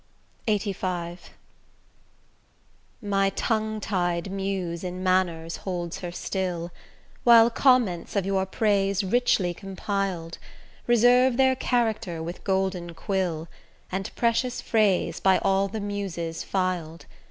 LXXXV My tongue tied Muse in manners holds her still, While comments of your praise richly compil'd, Reserve their character with golden quill, And precious phrase by all the Muses fil'd.